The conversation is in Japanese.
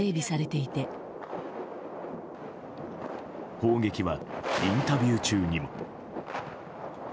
砲撃はインタビュー中にも。